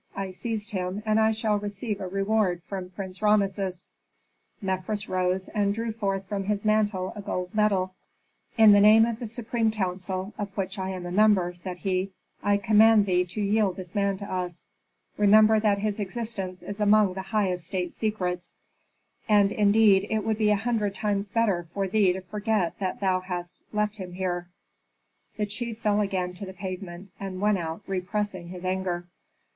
I seized him and I shall receive a reward from Prince Rameses." Mefres rose and drew forth from under his mantle a gold medal. "In the name of the supreme council, of which I am a member," said he, "I command thee to yield this man to us. Remember that his existence is among the highest state secrets, and indeed it would be a hundred times better for thee to forget that thou hast left him here." The chief fell again to the pavement, and went out repressing his anger.